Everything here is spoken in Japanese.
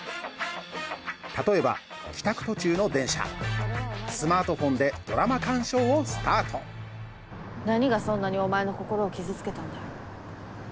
例えば帰宅途中の電車スマートフォンでドラマ観賞をスタート何がそんなにお前の心を傷つけたんだ？